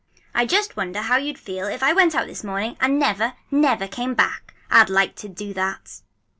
I just wonder how you'd feel if I went out this morning and never, never came back! I'd like to do that!"